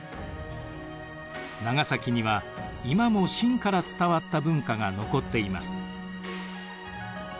長崎には今も清から伝わった文化が残っています。